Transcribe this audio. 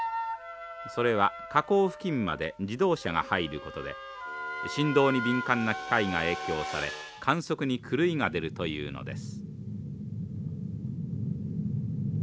それは火口付近まで自動車が入ることで振動に敏感な機械が影響され観測に狂いが出るというのです。